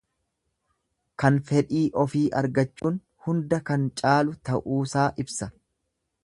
Kan fedhii ofii argachuun hunda kan caalu ta'uusaa ibsa.